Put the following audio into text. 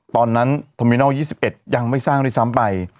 ตอนนั้นโทมินอล๒๑ยังไม่สร้างด้วยซ้ำไป